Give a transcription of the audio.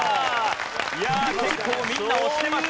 いやあ結構みんな押してました。